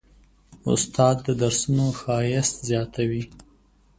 استاد د درسونو ښایست زیاتوي.